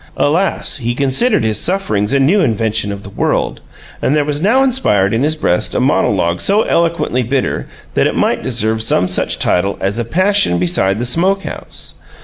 Alas! he considered his sufferings a new invention in the world, and there was now inspired in his breast a monologue so eloquently bitter that it might deserve some such title as A Passion Beside the Smoke house.